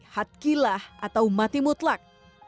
had gilah atau mati mutlak